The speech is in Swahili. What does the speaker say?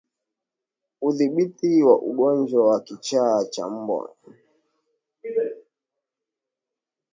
Udhibiti wa ugonjwa wa kichaa cha mbwa